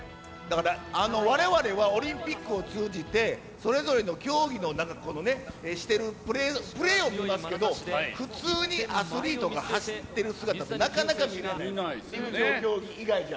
われわれは、オリンピックを通じて、それぞれの競技をしてるプレー、プレーを見ますけど、普通にアスリートが走ってる姿ってなかなか見れない、東京以外じゃ。